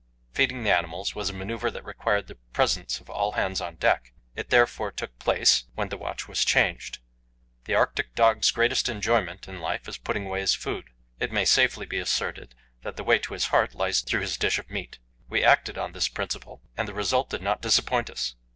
Feeding the animals was a manoeuvre that required the presence of all hands on deck; it therefore took place when the watch was changed. The Arctic dog's greatest enjoyment in life is putting away his food; it may be safely asserted that the way to his heart lies through his dish of meat. We acted on this principle, and the result did not disappoint us.